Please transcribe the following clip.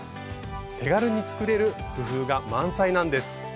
手軽に作れる工夫が満載なんです。